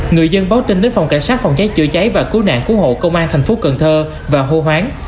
người dân báo tin đến phòng cảnh sát phòng cháy chữa cháy và cứu nạn cứu hộ công an thành phố cần thơ và hô hoáng